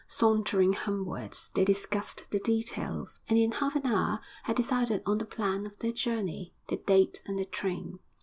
Sauntering homewards, they discussed the details, and in half an hour had decided on the plan of their journey, the date and the train.